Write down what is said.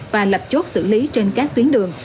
và lập chốt xử lý trên các tuyến đường